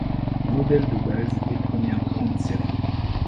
Modèle de base et première grande série.